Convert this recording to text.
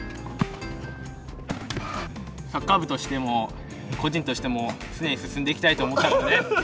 サッカー部としても個人としても常に進んでいきたいと思ったからです。